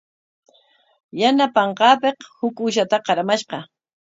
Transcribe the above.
Yanapanqaapik huk uushata qaramashqa.